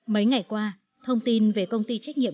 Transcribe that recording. mấy ngày qua thông tin về công ty trách nhiệm